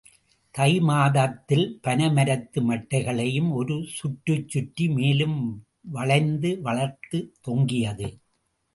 தை மாதத்தில், பனைமரத்து மட்டைகளையும் ஒரு சுற்றுச்சுற்றி மேலும் வளைந்து வளர்ந்து தொங்கியது.